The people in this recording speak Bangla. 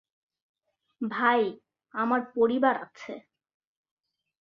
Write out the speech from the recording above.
ভাই, আমার পরিবার আছে।